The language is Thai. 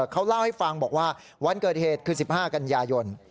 เขาเล่าให้ฟังบอกว่าวันเกิดเหตุคือ๑๕กันยายน